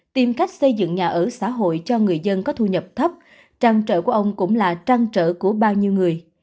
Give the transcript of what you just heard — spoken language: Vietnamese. tìm cách xây dựng nhà ở xã hội cho người dân có thu nhập thấp trăng trở của ông cũng là trăng trở của bao nhiêu người